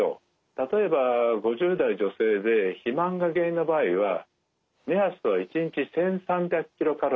例えば５０代女性で肥満が原因の場合は目安は１日１，３００ｋｃａｌ